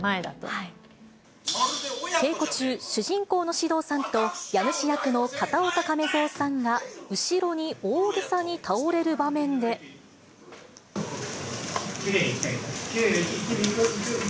稽古中、主人公の獅童さんと家主役の片岡亀蔵さんが後ろに大げさに倒れるきれいにいきたい。